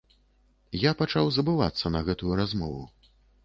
Я пачаў забывацца на гэтую размову.